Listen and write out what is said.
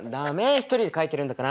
一人で描いてるんだから。